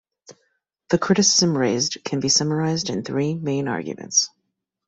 The criticism raised can be summarized in three main arguments.